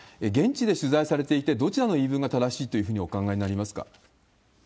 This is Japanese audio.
現地で取材されていて、どちらの言い分が正しいというふうにお考えになりますか？